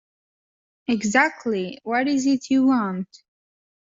Exactly what is it you want?